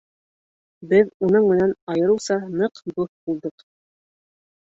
Беҙ уның менән айырыуса ныҡ дуҫ булдыҡ.